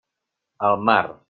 Al mar!